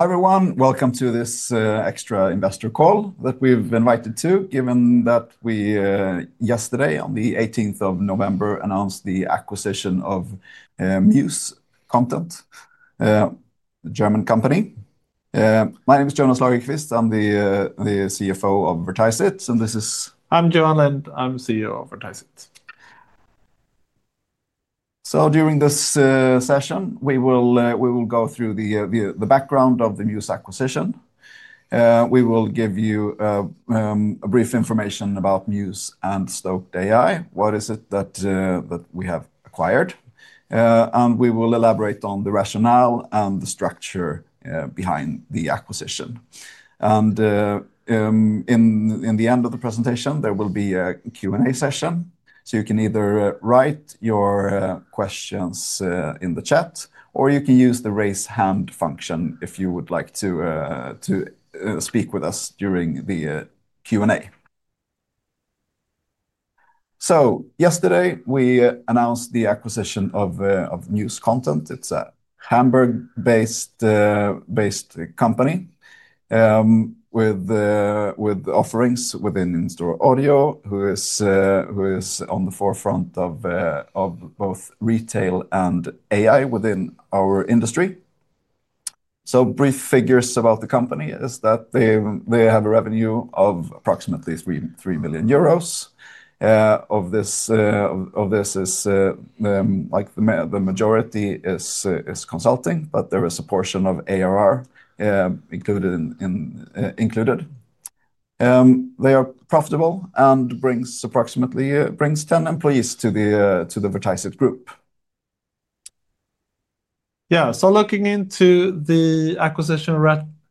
Hi everyone, welcome to this extra investor call that we've invited to, given that we yesterday, on the 18th of November, announced the acquisition of MuSe Content, a German company. My name is Jonas Lagerqvist, I'm the CFO of Vertiseit, and this is... I'm Johan Lind, I'm CEO of Vertiseit. During this session, we will go through the background of the MuSe acquisition. We will give you brief information about MuSe and Stoked AI, what it is that we have acquired, and we will elaborate on the rationale and the structure behind the acquisition. In the end of the presentation, there will be a Q&A session, so you can either write your questions in the chat or you can use the raise hand function if you would like to speak with us during the Q&A. Yesterday, we announced the acquisition of MuSe Content. It is a Hamburg-based company with offerings within InStore Audio, who is on the forefront of both retail and AI within our industry. Brief figures about the company is that they have a revenue of approximately 3 million euros. Of this, like the majority is consulting, but there is a portion of ARR included. They are profitable and bring approximately 10 employees to the Vertiseit group. Yeah, so looking into the acquisition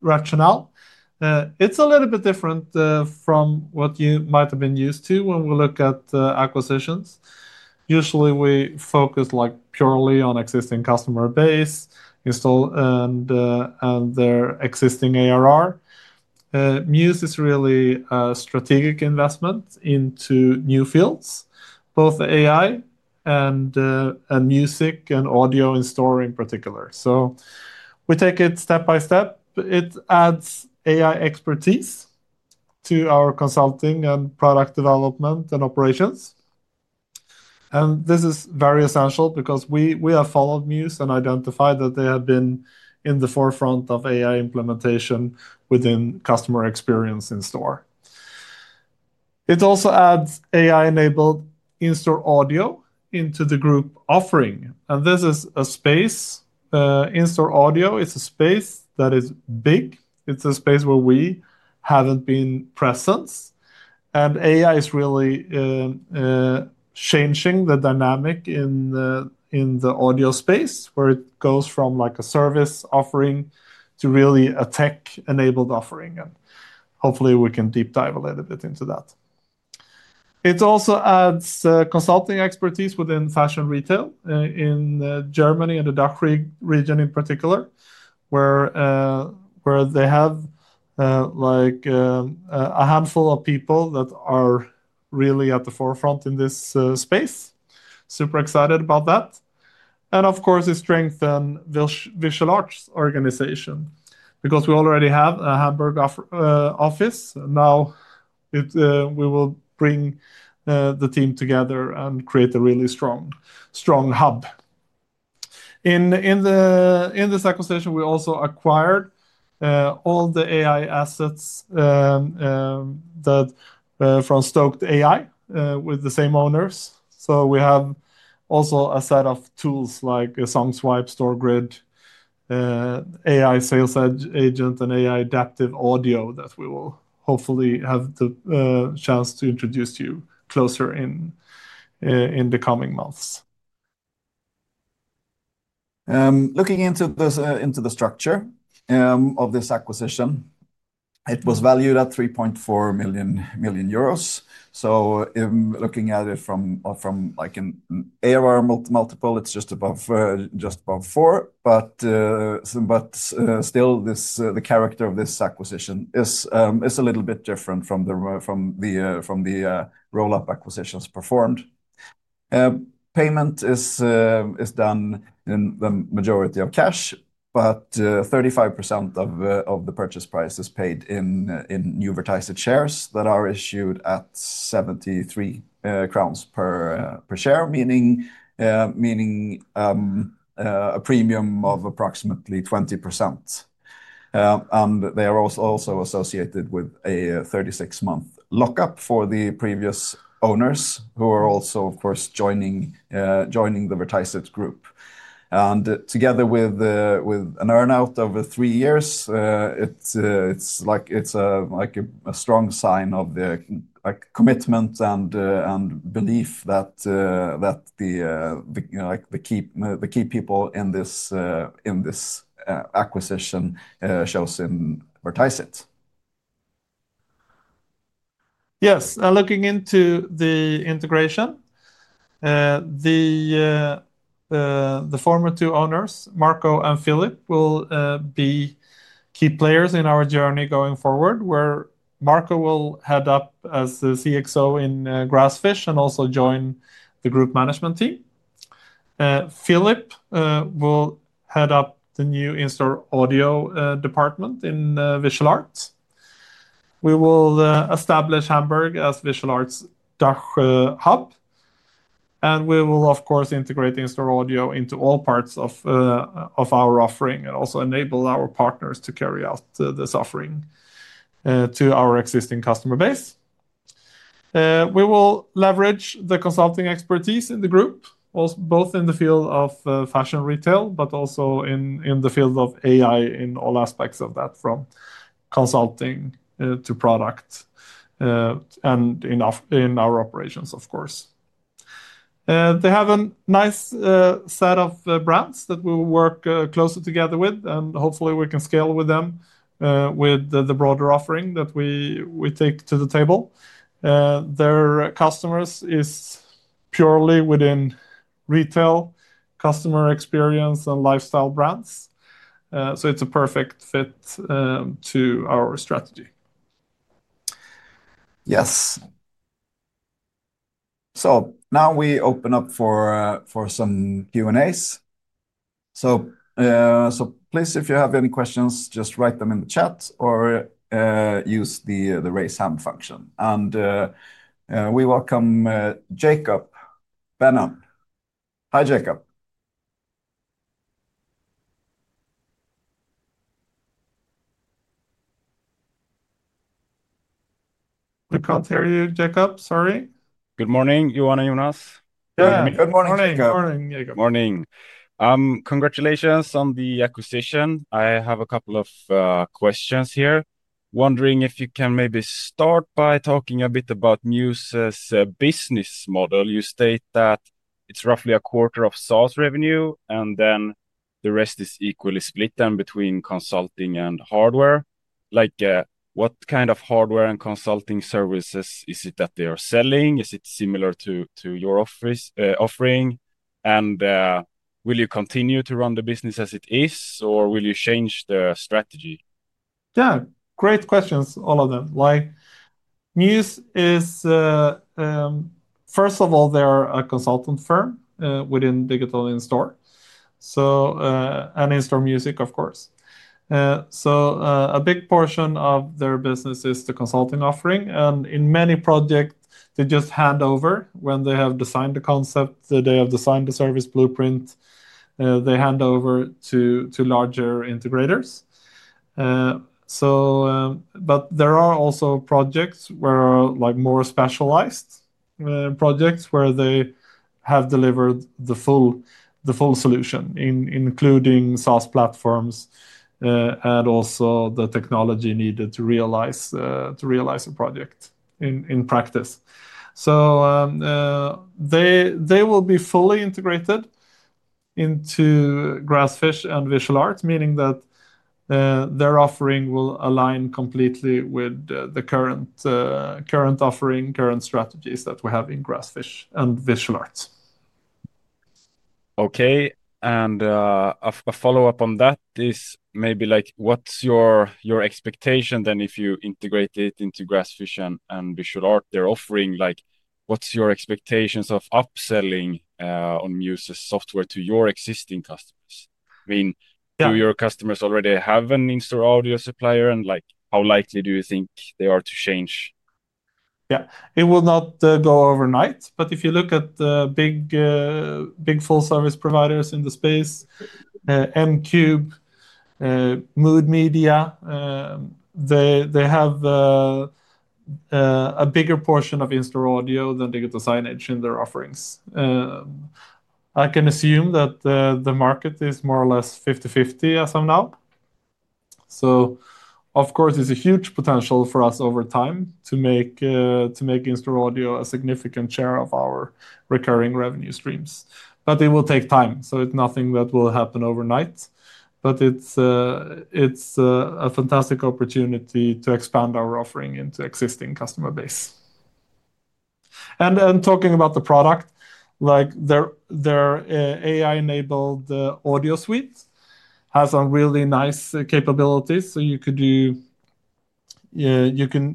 rationale, it's a little bit different from what you might have been used to when we look at acquisitions. Usually, we focus purely on existing customer base and their existing ARR. MuSe is really a strategic investment into new fields, both AI and music and audio in store in particular. We take it step by step. It adds AI expertise to our consulting and product development and operations. This is very essential because we have followed MuSe and identified that they have been in the forefront of AI implementation within customer experience in store. It also adds AI-enabled InStore Audio into the group offering. This is a space, InStore Audio is a space that is big. It's a space where we haven't been present. AI is really changing the dynamic in the audio space, where it goes from like a service offering to really a tech-enabled offering. Hopefully, we can deep dive a little bit into that. It also adds consulting expertise within fashion retail in Germany and the DACH region in particular, where they have like a handful of people that are really at the forefront in this space. Super excited about that. Of course, it strengthens the Visual Art organization because we already have a Hamburg office. Now, we will bring the team together and create a really strong hub. In this acquisition, we also acquired all the AI assets from Stoked AI with the same owners. We have also a set of tools like SongSwipe, StoreGrid, AI Sales Agent, and AI Adaptive Audio that we will hopefully have the chance to introduce to you closer in the coming months. Looking into the structure of this acquisition, it was valued at 3.4 million euros. Looking at it from like an ARR multiple, it's just above four. Still, the character of this acquisition is a little bit different from the roll-up acquisitions performed. Payment is done in the majority of cash, but 35% of the purchase price is paid in new Vertiseit shares that are issued at 73 crowns per share, meaning a premium of approximately 20%. They are also associated with a 36-month lockup for the previous owners who are also, of course, joining the Vertiseit group. Together with an earn-out over three years, it's like a strong sign of the commitment and belief that the key people in this acquisition show in Vertiseit. Yes, looking into the integration, the former two owners, Marco and Philipp, will be key players in our journey going forward, where Marco will head up as the CXO in GrassFish and also join the group management team. Philipp will head up the new InStore Audio department in Visual Art. We will establish Hamburg as Visual Art's DACH hub. We will, of course, integrate InStore Audio into all parts of our offering and also enable our partners to carry out this offering to our existing customer base. We will leverage the consulting expertise in the group, both in the field of fashion retail, but also in the field of AI in all aspects of that, from consulting to product and in our operations, of course. They have a nice set of brands that we will work closer together with, and hopefully, we can scale with them with the broader offering that we take to the table. Their customers are purely within retail, customer experience, and lifestyle brands. It is a perfect fit to our strategy. Yes. Now we open up for some Q&As. Please, if you have any questions, just write them in the chat or use the raise hand function. We welcome Jacob Benham. Hi, Jacob. I can't hear you, Jacob. Sorry. Good morning, Johan and Jonas. Good morning, Jacob. Morning. Congratulations on the acquisition. I have a couple of questions here. Wondering if you can maybe start by talking a bit about MuSe's business model. You state that it's roughly a quarter of SaaS revenue, and then the rest is equally split then between consulting and hardware. Like what kind of hardware and consulting services is it that they are selling? Is it similar to your offering? Will you continue to run the business as it is, or will you change the strategy? Yeah, great questions, all of them. Like MuSe is, first of all, they are a consultant firm within Digital InStore, and InStore Music, of course. A big portion of their business is the consulting offering. In many projects, they just hand over when they have designed the concept, they have designed the service blueprint, they hand over to larger integrators. There are also projects, more specialized projects, where they have delivered the full solution, including SaaS platforms and also the technology needed to realize a project in practice. They will be fully integrated into GrassFish and Visual Art, meaning that their offering will align completely with the current offering, current strategies that we have in GrassFish and Visual Art. Okay. A follow-up on that is maybe like what's your expectation then if you integrate it into GrassFish and Visual Art? They're offering like, what's your expectations of upselling on MuSe's software to your existing customers? I mean, do your customers already have an InStore Audio supplier? Like how likely do you think they are to change? Yeah, it will not go overnight. If you look at the big full-service providers in the space, M-Cube, Mood Media, they have a bigger portion of InStore Audio than Digital Signage in their offerings. I can assume that the market is more or less 50-50 as of now. Of course, there is a huge potential for us over time to make InStore Audio a significant share of our recurring revenue streams. It will take time. It is nothing that will happen overnight. It is a fantastic opportunity to expand our offering into existing customer base. Talking about the product, like their AI-enabled audio suite has some really nice capabilities. You can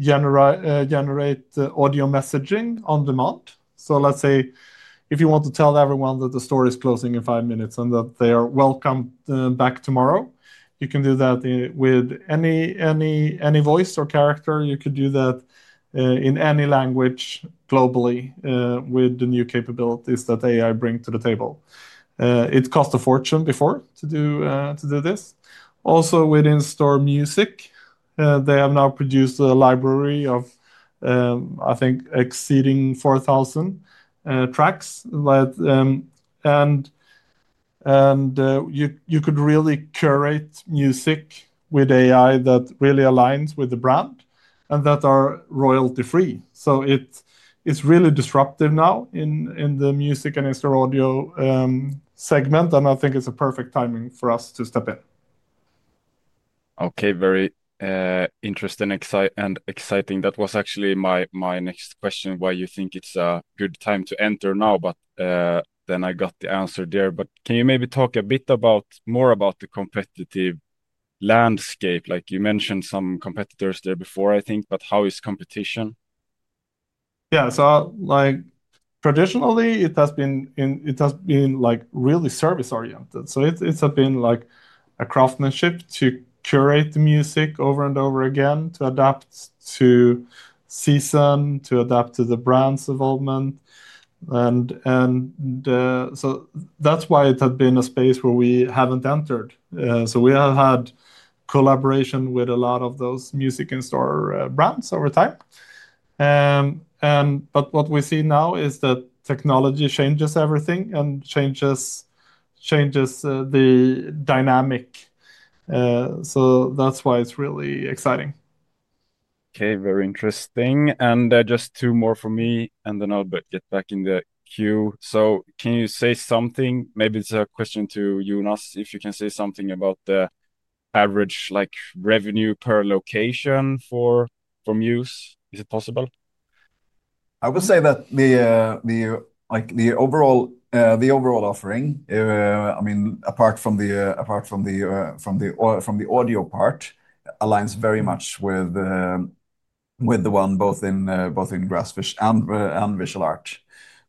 generate audio messaging on demand. Let's say if you want to tell everyone that the store is closing in five minutes and that they are welcome back tomorrow, you can do that with any voice or character. You could do that in any language globally with the new capabilities that AI brings to the table. It cost a fortune before to do this. Also with InStore Music, they have now produced a library of, I think, exceeding 4,000 tracks. You could really curate music with AI that really aligns with the brand and that are royalty-free. It is really disruptive now in the music and InStore Audio segment. I think it is a perfect timing for us to step in. Okay, very interesting and exciting. That was actually my next question, why you think it's a good time to enter now. I got the answer there. Can you maybe talk a bit more about the competitive landscape? Like you mentioned some competitors there before, I think. How is competition? Yeah, so traditionally, it has been like really service-oriented. It has been like a craftsmanship to curate the music over and over again, to adapt to season, to adapt to the brand's development. That is why it had been a space where we have not entered. We have had collaboration with a lot of those music InStore brands over time. What we see now is that technology changes everything and changes the dynamic. That is why it is really exciting. Okay, very interesting. Just two more for me and then I'll get back in the queue. Can you say something? Maybe it's a question to Jonas, if you can say something about the average revenue per location for MuSe. Is it possible? I would say that the overall offering, I mean, apart from the audio part, aligns very much with the one both in GrassFish and Visual Art.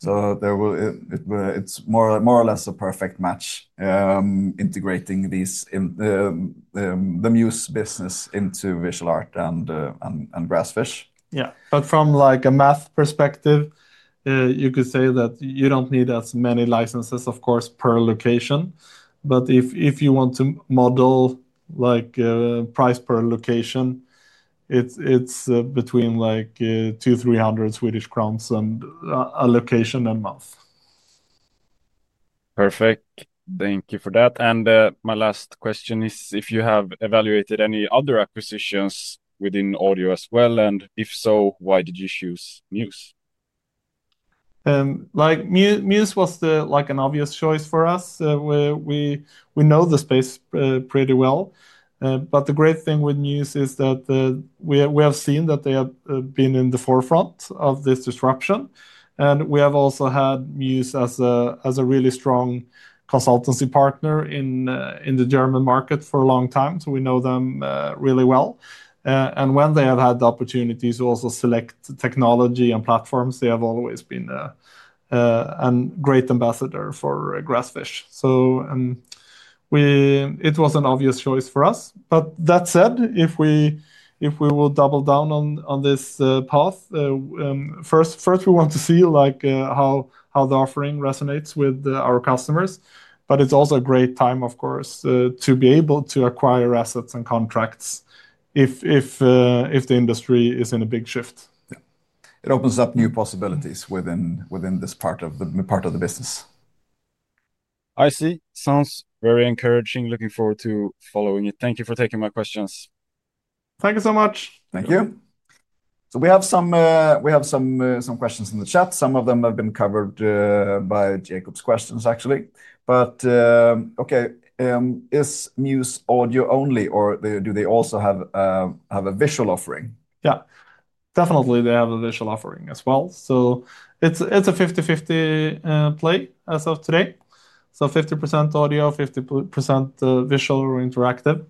It is more or less a perfect match integrating the MuSe business into Visual Art and GrassFish. Yeah, but from like a math perspective, you could say that you do not need as many licenses, of course, per location. But if you want to model like price per location, it is between SEK 200-300 a location a month. Perfect. Thank you for that. My last question is if you have evaluated any other acquisitions within audio as well. If so, why did you choose MuSe? Like MuSe was like an obvious choice for us. We know the space pretty well. The great thing with MuSe is that we have seen that they have been in the forefront of this disruption. We have also had MuSe as a really strong consultancy partner in the German market for a long time. We know them really well. When they have had the opportunity to also select technology and platforms, they have always been a great ambassador for GrassFish. It was an obvious choice for us. That said, if we will double down on this path, first, we want to see like how the offering resonates with our customers. It is also a great time, of course, to be able to acquire assets and contracts if the industry is in a big shift. It opens up new possibilities within this part of the business. I see. Sounds very encouraging. Looking forward to following it. Thank you for taking my questions. Thank you so much. Thank you. We have some questions in the chat. Some of them have been covered by Jacob's questions, actually. Okay, is MuSe audio only, or do they also have a visual offering? Yeah, definitely they have a visual offering as well. It is a 50-50 play as of today. So 50% audio, 50% visual or interactive.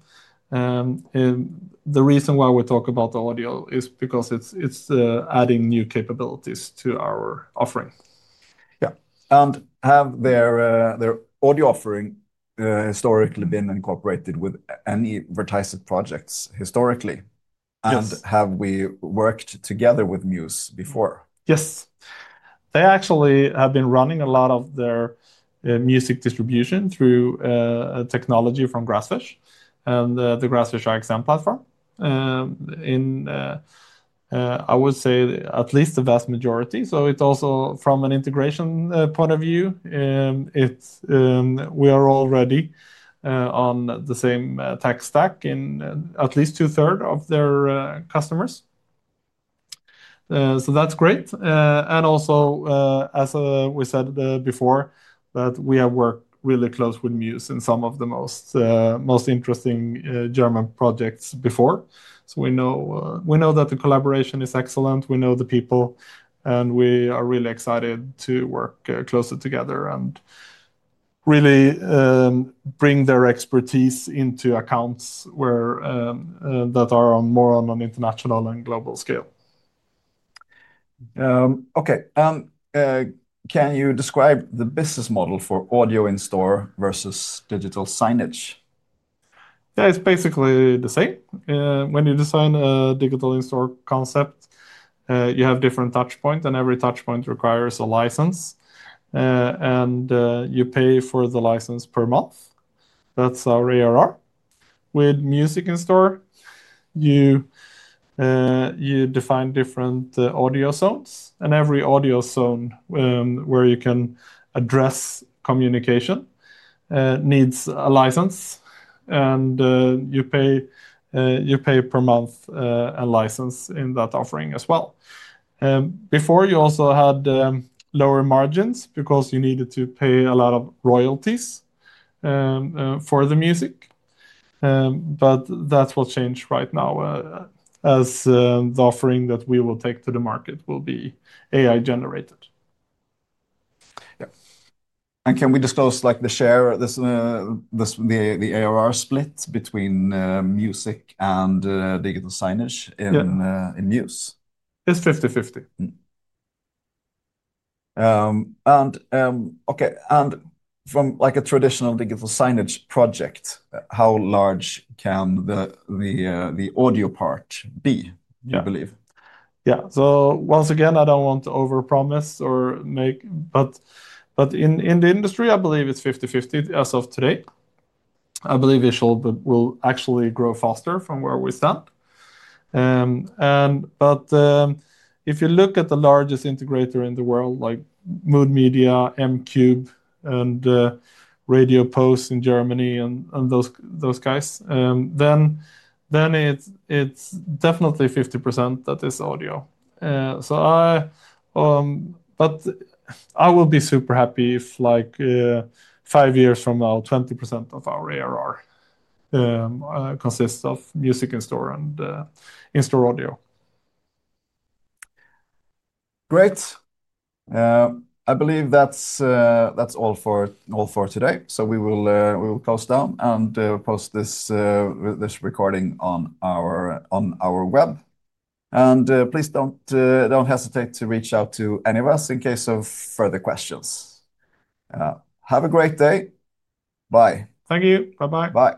The reason why we talk about the audio is because it is adding new capabilities to our offering. Yeah. Have their audio offering historically been incorporated with any Vertiseit projects historically? Have we worked together with MuSe before? Yes. They actually have been running a lot of their music distribution through technology from GrassFish and the GrassFish RXM platform. I would say at least the vast majority. It is also from an integration point of view, we are already on the same tech stack in at least two-thirds of their customers. That is great. Also, as we said before, we have worked really close with MuSe in some of the most interesting German projects before. We know that the collaboration is excellent. We know the people, and we are really excited to work closer together and really bring their expertise into accounts that are more on an international and global scale. Okay. Can you describe the business model for audio in store versus digital signage? Yeah, it's basically the same. When you design a digital in-store concept, you have different touch points, and every touch point requires a license. You pay for the license per month. That's our ARR. With music in-store, you define different audio zones. Every audio zone where you can address communication needs a license. You pay per month a license in that offering as well. Before, you also had lower margins because you needed to pay a lot of royalties for the music. That's what's changed right now as the offering that we will take to the market will be AI-generated. Yeah. Can we disclose like the share, the ARR split between music and digital signage in MuSe? It's 50-50. Okay. From like a traditional digital signage project, how large can the audio part be, you believe? Yeah. Once again, I do not want to overpromise or make, but in the industry, I believe it is 50-50 as of today. I believe it will actually grow faster from where we stand. If you look at the largest integrator in the world, like Mood Media, M-Cube, and Radio Post in Germany and those guys, then it is definitely 50% that is audio. I will be super happy if five years from now, 20% of our ARR consists of music in store and in store audio. Great. I believe that's all for today. We will close down and post this recording on our web. Please don't hesitate to reach out to any of us in case of further questions. Have a great day. Bye. Thank you. Bye-bye. Bye.